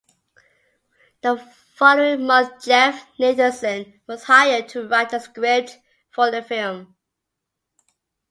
The following month, Jeff Nathanson was hired to write the script for the film.